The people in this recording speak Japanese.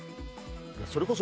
それこそ。